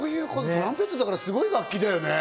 トランペット、すごい楽器だよね。